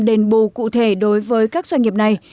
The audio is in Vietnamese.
đền bù cụ thể đối với các doanh nghiệp này